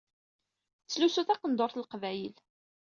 Tettlusu taqendurt n Leqbayel.